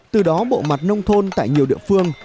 từ đó bộ mặt nông thôn tại nhiều địa phương